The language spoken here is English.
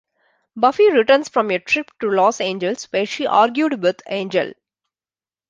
Buffy returns from a trip to Los Angeles, where she argued with Angel.